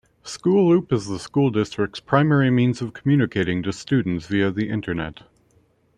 SchoolLoop is the school district's primary means of communicating to students via the Internet.